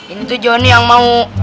ini tuh joni yang mau